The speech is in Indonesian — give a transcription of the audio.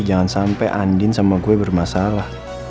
jangan sampai andin sama gue bermasalah